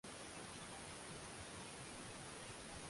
Kuendesha gari baada ya kunywa pombe si vizuri